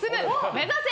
目指せ！